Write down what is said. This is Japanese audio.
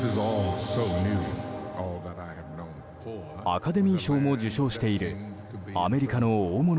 アカデミー賞も受賞しているアメリカの大物